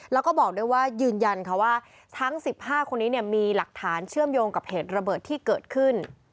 แล้วก็บอกด้วยว่ายืนยันค่ะว่าทั้ง๑๕คนนี้มีหลักฐานเชื่อมโยงกับเหตุระเบิดที่เกิดขึ้น